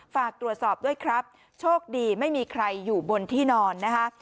ฝากตรวจสอบด้วยครับโชคดีไม่มีใครอยู่บนที่นอนนะคะ